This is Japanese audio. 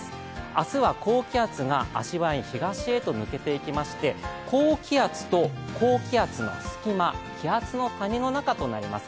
明日は高気圧が足早に東へと抜けていきまして高気圧と高気圧の隙間、気圧の谷の中となります。